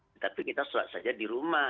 tetapi kita sholat saja di rumah